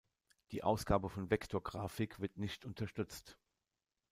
Die Ausgabe von Vektorgrafik wird nicht unterstützt.